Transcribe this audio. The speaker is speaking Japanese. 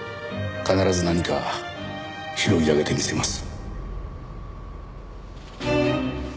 必ず何か拾い上げてみせます。